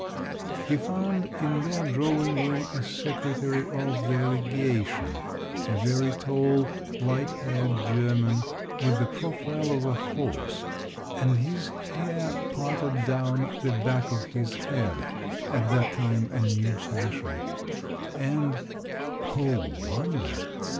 He found in their drawing room a secretary of the legation, a very tall light haired German, with the profile of a horse, and his hair parted down the back of his head (at that time a new fashion), and … oh, wonder!